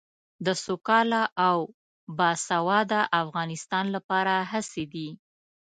د سوکاله او باسواده افغانستان لپاره هڅې دي.